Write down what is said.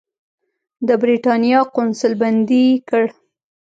د برېټانیا قونسل بندي کړ.